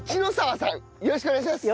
よろしくお願いします。